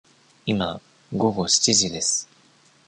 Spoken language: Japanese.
今、午後七時です。